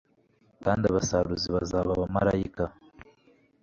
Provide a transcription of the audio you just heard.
Kandi abasaruzi bazaba abamarayika